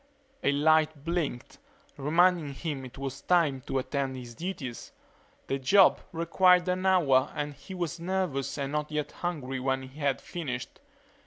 A light blinked, reminding him it was time to attend to his duties. The job required an hour and he was nervous and not yet hungry when he had finished.